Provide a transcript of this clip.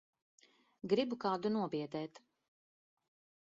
Gribu kādu nobiedēt.